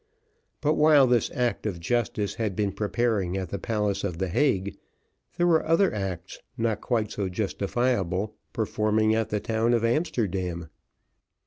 But while this act of justice had been preparing at the palace of the Hague, there were other acts, not quite so justifiable performing at the town of Amsterdam.